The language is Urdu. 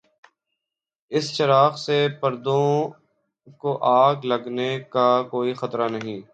اس چراغ سے پردوں کو آگ لگنے کا کوئی خطرہ نہیں۔